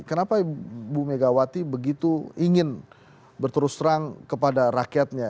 kenapa ibu megawati begitu ingin berterus terang kepada rakyatnya